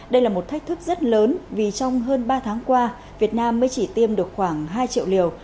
đây là một thách thức rất lớn vì trong hơn ba tháng qua việt nam mới chỉ tiêm được khoảng hai triệu liều